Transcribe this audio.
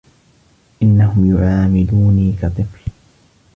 إنهم يعاملوني كطفل.